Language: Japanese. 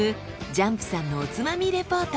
ジャンプさんのおつまみレポート。